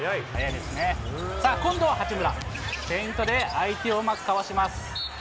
今度は八村、フェイントで相手をうまくかわします。